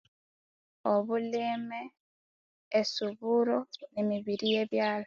Obulime esuburo ne mibiri ye byalha